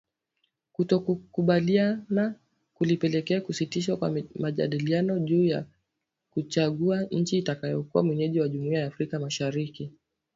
Kutokukubaliana kulipelekea kusitishwa kwa majadiliano juu ya kuchagua nchi itakayokuwa mwenyeji wa Jumuiya ya Afrika mashariki